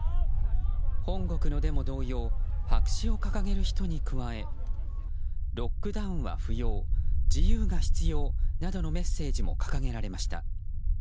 本国のデモ同様白紙を掲げる人に加え「ロックダウンは不要自由が必要」などのメッセージも掲げられました。